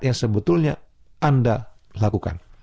yang sebetulnya anda lakukan